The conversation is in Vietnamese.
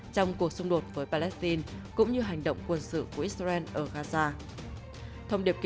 trong cuộc xung đột với palestine